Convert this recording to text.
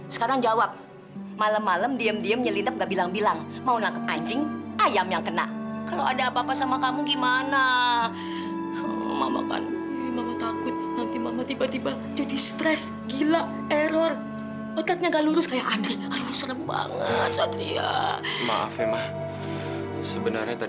sampai jumpa di video selanjutnya